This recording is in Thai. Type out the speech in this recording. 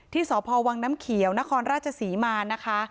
สพวังน้ำเขียวนครราชศรีมานะคะ